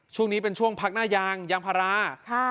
ช่วงนี้เป็นช่วงพักหน้ายางเพราะยามพระร้า